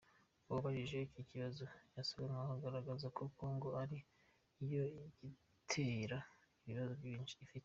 Uwabajije icyo kibazo yasaga nk’aho agaragaza ko Congo ari yo yitera ibibazo ifite.